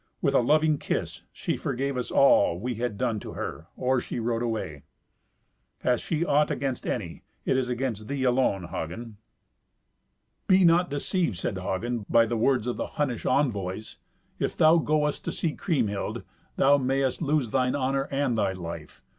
With a loving kiss she forgave us for all we had done to her or she rode away. Hath she aught against any, it is against thee alone, Hagen." "Be not deceived," said Hagen, "by the words of the Hunnish envoys. If thou goest to see Kriemhild, thou mayst lose thine honour and thy life.